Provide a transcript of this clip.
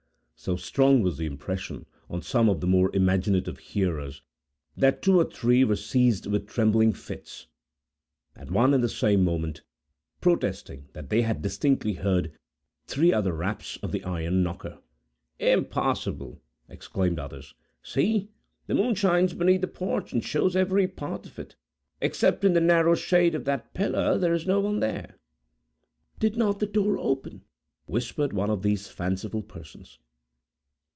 So strong was the impression, on some of the more imaginative hearers, that two or three were seized with trembling fits, at one and the same moment, protesting that they had distinctly heard three other raps of the iron knocker. "Impossible!" exclaimed others. "See! The moon shines beneath the porch, and shows every part of it, except in the narrow shade of that pillar. There is no one there!" "Did not the door open?" whispered one of these fanciful persons.